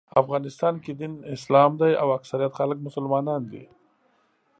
افغانستان کې دین اسلام دی او اکثریت خلک مسلمانان دي.